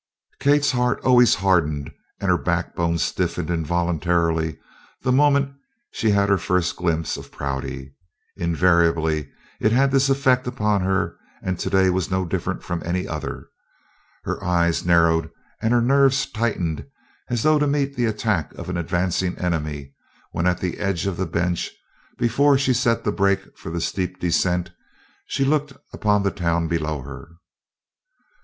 Kate's heart always hardened and her backbone stiffened involuntarily the moment she had her first glimpse of Prouty. Invariably it had this effect upon her and to day was no different from any other. Her eyes narrowed and her nerves tightened as though to meet the attack of an advancing enemy when at the edge of the bench, before she set the brake for the steep descent, she looked upon the town below her.